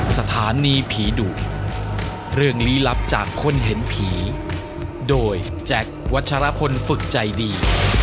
สถานีผีดุเรื่องลี้ลับจากคนเห็นผีโดยแจ็ควัชรพลฝึกใจดี